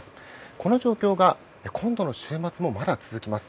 この状況が今度の週末もまだ続きます。